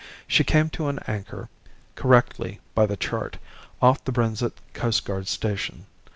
She came to an anchor, correctly by the chart, off the Brenzett Coastguard station.